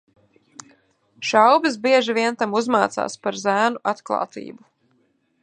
Šaubas bieži vien tam uzmācās par zēnu atklātību.